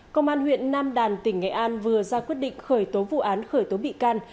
công an huyện nam đàn tỉnh nghệ an vừa ra quyết định khởi tố vụ án khởi tố bị can